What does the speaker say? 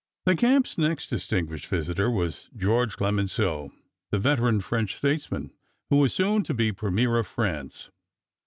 The camp's next distinguished visitor was Georges Clemenceau, the veteran French statesman who was soon to be Premier of France.